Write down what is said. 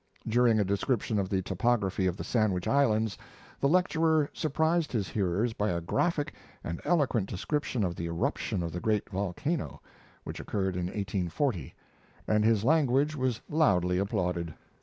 During a description of the topography of the Sandwich Islands the lecturer surprised his hearers by a graphic and eloquent description of the eruption of the great volcano, which occurred in 1840, and his language was loudly applauded.